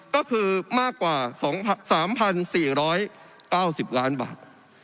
ก็คือมากกว่า๓๔๙๐ล้านบาท